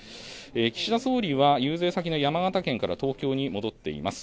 岸田総理は遊説先の山形県から東京に戻っています。